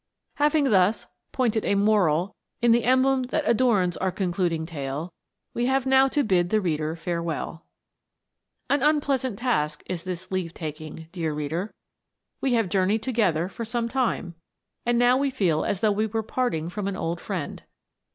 Having thus "pointed a moral" in the emblem that " adorns our concluding tale," we have now to bid the reader farewell. Aii unpleasant task is this leave taking, dear reader. We have journeyed together for some tune, 338 THE WONDERFUL LAMP. and now we feel as though we were parting from an old friend.